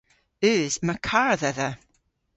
Eus. Yma karr dhedha.